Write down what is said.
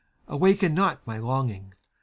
awaken not my longing !